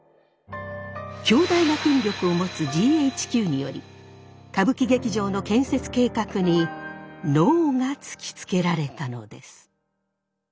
強大な権力を持つＧＨＱにより歌舞伎劇場の建設計画にＮＯが突きつけられたのです。